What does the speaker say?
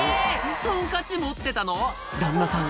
トンカチ持ってたの⁉旦那さん